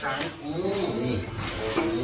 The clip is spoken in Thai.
ไอนี่นะคะพรบเลย